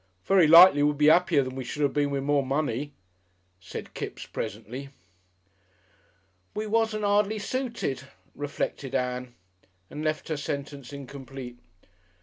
"Very likely we'll be 'appier than we should 'ave been with more money," said Kipps presently. "We wasn't 'ardly suited," reflected Ann, and left her sentence incomplete.